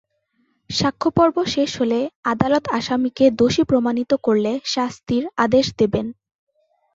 সাক্ষ্যপর্ব শেষ হলে আদালত আসামিকে দোষী প্রমাণিত করলে শাস্তির আদেশ দেবেন।